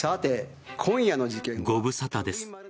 ご無沙汰です。